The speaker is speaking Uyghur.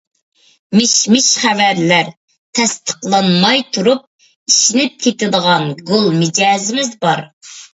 مىش-مىش خەۋەرلەر تەستىقلانماي تۇرۇپ ئىشىنىپ كېتىدىغان گول مىجەزىمىز بار.